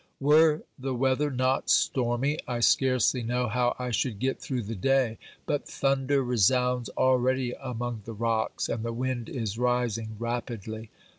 Were the weather not stormy, I scarcely know how I should get through the day, but thunder resounds already among the rocks, and the wind is rising rapidly.